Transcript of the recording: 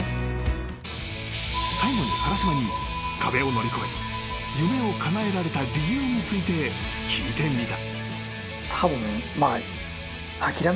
［最後に原島に壁を乗り越え夢をかなえられた理由について聞いてみた］